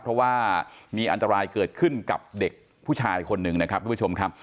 เพราะว่ามีอันตรายเกิดขึ้นกับเด็กผู้ชายคนหนึ่งนะครับทุกผู้ชมครับ